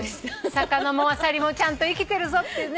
魚もアサリもちゃんと生きてるぞってね。